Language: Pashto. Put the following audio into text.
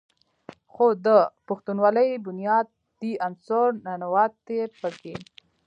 خو د پښتونولۍ بنيادي عنصر "ننواتې" پکښې